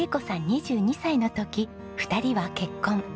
２２歳の時２人は結婚。